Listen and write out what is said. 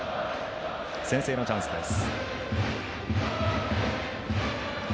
先制のチャンスです。